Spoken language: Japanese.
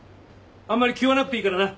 あんまり気負わなくていいからな。